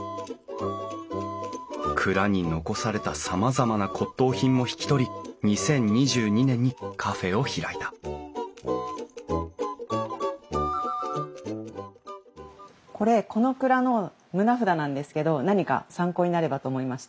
蔵に残されたさまざまな骨董品も引き取り２０２２年にカフェを開いたこれこの蔵の棟札なんですけど何か参考になればと思いまして。